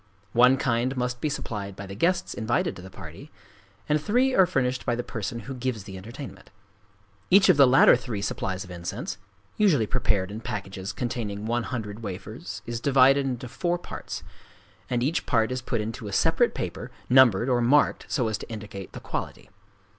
One kind must be supplied by the guests invited to the party; and three are furnished by the person who gives the entertainment. Each of the latter three supplies of incense—usually prepared in packages containing one hundred wafers is divided into four parts; and each part is put into a separate paper numbered or marked so as to indicate the quality.